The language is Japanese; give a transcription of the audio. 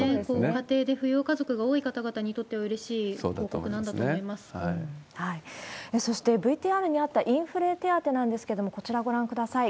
家庭で扶養家族が多い方々にとってはうれしいお得なんだと思いまそして、ＶＴＲにあったインフレ手当なんですけれども、こちらご覧ください。